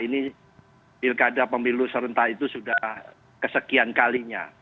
ini pilkada pemilu serentak itu sudah kesekian kalinya